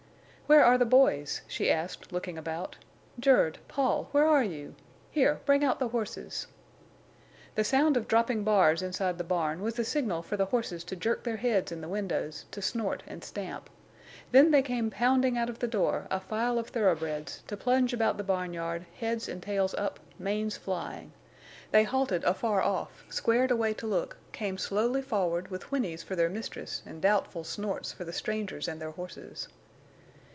"Where are the boys?" she asked, looking about. "Jerd, Paul, where are you? Here, bring out the horses." The sound of dropping bars inside the barn was the signal for the horses to jerk their heads in the windows, to snort and stamp. Then they came pounding out of the door, a file of thoroughbreds, to plunge about the barnyard, heads and tails up, manes flying. They halted afar off, squared away to look, came slowly forward with whinnies for their mistress, and doubtful snorts for the strangers and their horses.